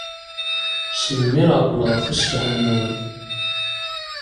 Snemmireɣ-ken ɣef ussefhem-nwen.